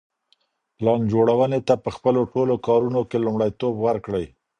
پلان جوړوني ته په خپلو ټولو کارونو کي لومړیتوب ورکړئ.